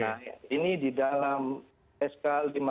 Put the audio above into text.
nah ini di dalam sk lima ratus satu